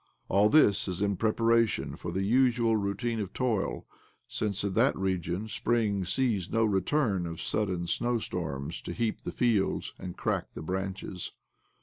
All іЫщ is in preparation for the usual routine of toil, since in that region spring sees no return of sudden snowstorms to heap the fields and crack the branches.